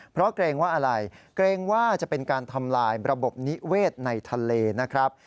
เพราะเกรงว่าอะไรเกรงว่าจะเป็นการทำลายระบบนิเวศในทะเลนะครับ